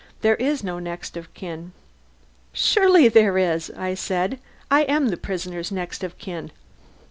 There is no next of kin...." "Surely there is!" I said. "I am the prisoner's next of kin."